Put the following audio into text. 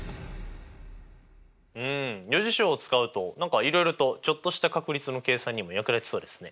うん余事象を使うと何かいろいろとちょっとした確率の計算にも役立ちそうですね。